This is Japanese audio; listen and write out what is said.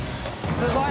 すごい！